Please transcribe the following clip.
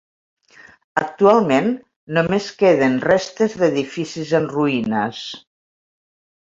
Actualment només queden restes d'edificis en ruïnes.